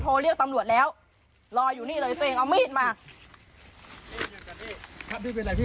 โอ้โหลูกสาวเจ้าขายไก่สดด้วยมอบลงไปเดี๋ยวนี้ไปไหน